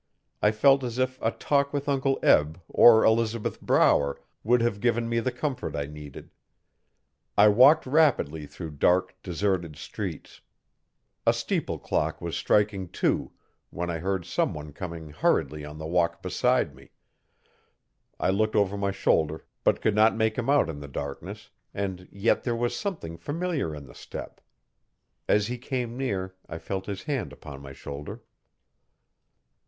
I felt as if a talk with Uncle Eb or Elizabeth Brower would have given me the comfort I needed. I walked rapidly through dark, deserted streets. A steeple clock was striking two, when I heard someone coming hurriedly on the walk behind me. I looked over my shoulder, but could not make him out in the darkness, and yet there was something familiar in the step. As he came near I felt his hand upon my shoulder.